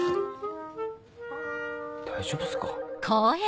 大丈夫すか？